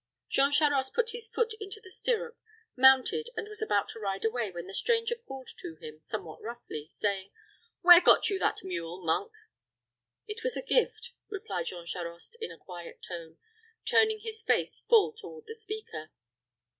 Jean Charost put his foot into the stirrup, mounted, and was about to ride away, when the stranger called to him, somewhat roughly, saying, "Where got you that mule, monk?" "It was a gift," replied Jean Charost, in a quiet tone, turning his face full toward the speaker.